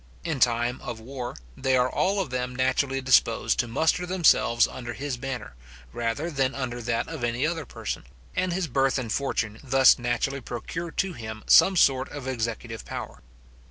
In time of war, they are all of them naturally disposed to muster themselves under his banner, rather than under that of any other person; and his birth and fortune thus naturally procure to him some sort of executive power.